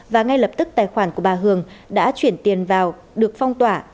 và ngay lập tức tài khoản của bà hường đã chuyển tiền vào được phong tỏa